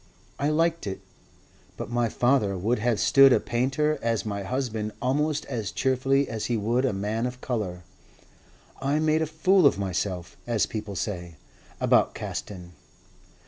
I liked it. But my father would have stood a painter as my husband almost as cheerfully as he would a man of colour. I made a fool of myself, as people say, about Caston.